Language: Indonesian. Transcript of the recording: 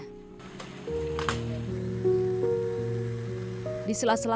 di sela sela perjalanan pulang kami beristirahat sejenak